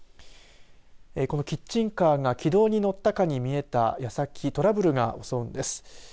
このキッチンカーが軌道に乗ったかに見えたやさきトラブルが襲うんです。